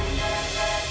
sampai jumpa su